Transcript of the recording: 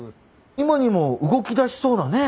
今にも動きだしそうなね。